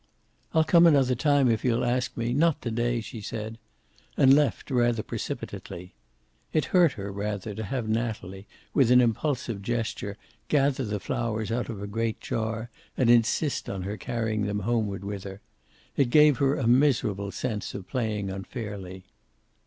"I'll come another time, if you'll ask me. Not to day," she said. And left rather precipitately. It hurt her, rather, to have Natalie, with an impulsive gesture, gather the flowers out of a great jar and insist on her carrying them home with her. It gave her a miserable sense of playing unfairly.